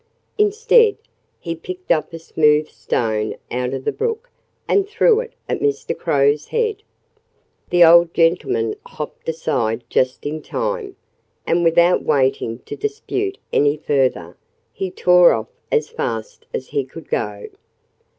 Instead, he picked up a smooth stone out of the brook and threw it at Mr. Crow's head. The old gentleman hopped aside just in time. And without waiting to dispute any further, he tore off as fast as he could go.